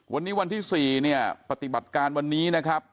วันนี้วันที่๔เนี่ยปฏิบัติการวันนี้นะครับ